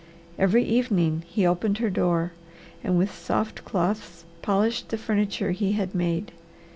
Every evening he opened her door and with soft cloths polished the furniture he had made.